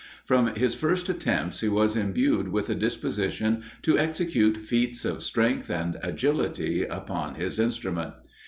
From his first attempts he was imbued with the disposition to execute feats of strength and agility upon his instrument.